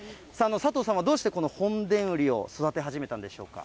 佐藤さんは、どうして、この本田ウリを育て始めたんでしょうか。